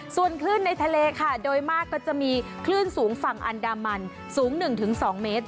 ส่วนคลื่นในทะเลค่ะโดยมากก็จะมีคลื่นสูงฝั่งอันดามันสูง๑๒เมตร